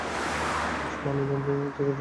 ঘুষ, money laundering এর জন্য খুব সুবিধা ছিল।